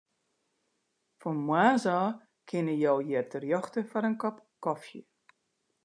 Fan moarns ôf kinne jo hjir terjochte foar in kop kofje.